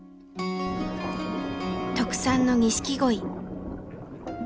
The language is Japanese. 特産の錦鯉。